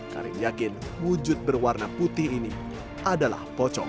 karin yakin wujud berwarna putih ini adalah pocong